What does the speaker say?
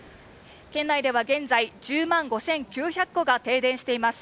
県内では現在、１０万５９００戸が停電しています。